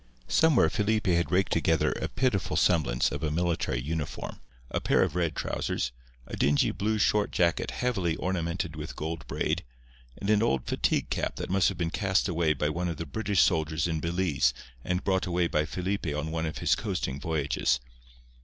Somewhere Felipe had raked together a pitiful semblance of a military uniform—a pair of red trousers, a dingy blue short jacket heavily ornamented with gold braid, and an old fatigue cap that must have been cast away by one of the British soldiers in Belize and brought away by Felipe on one of his coasting voyages.